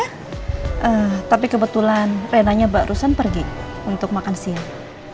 nah tapi kebetulan rina nya barusan pergi untuk makan siang